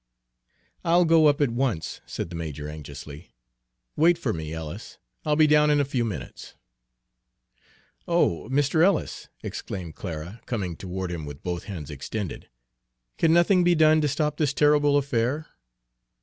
"I'll go up at once," said the major anxiously. "Wait for me, Ellis, I'll be down in a few minutes." "Oh, Mr. Ellis," exclaimed Clara, coming toward him with both hands extended, "can nothing be done to stop this terrible affair?"